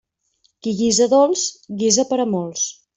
Qui guisa dolç, guisa per a molts.